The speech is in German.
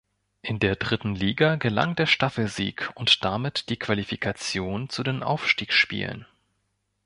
In der dritten Liga gelang der Staffelsieg und damit die Qualifikation zu den Aufstiegsspielen.